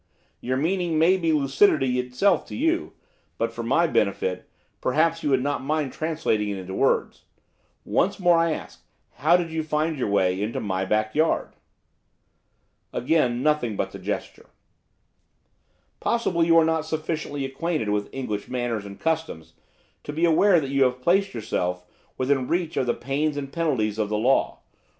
Your meaning may be lucidity itself to you, but, for my benefit, perhaps you would not mind translating it into words. Once more I ask, how did you find your way into my back yard?' Again nothing but the gesture. 'Possibly you are not sufficiently acquainted with English manners and customs to be aware that you have placed yourself within reach of the pains and penalties of the law.